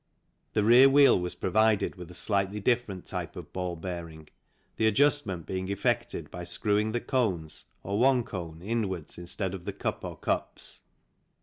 The rear wheel was provided with a slightly different type of ball bearing, the adjustment being effected by screwing the cones or one cone inwards instead of the cup or cups.